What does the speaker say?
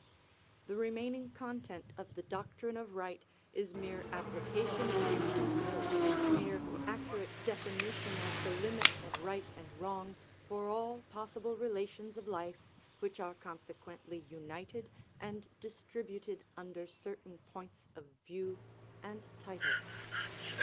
The remaining content of the doctrine of right is mere application of these principles, mere accurate definition of the limits of right and wrong for all possible relations of life, which are consequently united and distributed under certain points of view and titles.